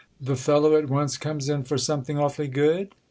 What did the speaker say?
"The fellow at once comes in for something awfully good?"